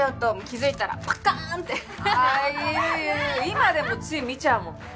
今でもつい見ちゃうもんね。